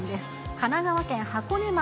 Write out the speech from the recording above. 神奈川県箱根町。